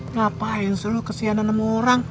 ngapain sih lo kesianan sama orang